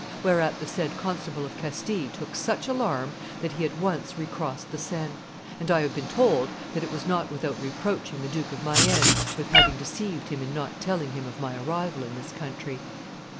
Whereat the said Constable of Castile took such alarm that he at once recrossed the Sane; and I have been told that it was not without reproaching the Duke of Mayenne with having deceived him in not telling him of my arrival in this country."